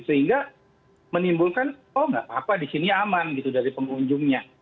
sehingga menimbulkan oh nggak apa apa di sini aman gitu dari pengunjungnya